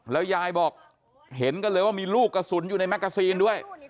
แล้วยายบอกเห็นกันเลยว่ามีลูกกระสุนอยู่ในแกซีนด้วย